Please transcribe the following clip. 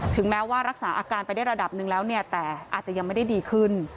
แม้ว่ารักษาอาการไปได้ระดับหนึ่งแล้วเนี่ยแต่อาจจะยังไม่ได้ดีขึ้น